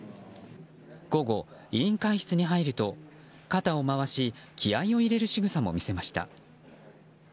午後、委員会室に入ると肩を回し気合を入れるしぐさも見せました。